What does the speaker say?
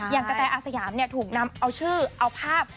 อย่างกระแทอาสยามเนี่ยถูกนำเอาชื่อเอาภาพ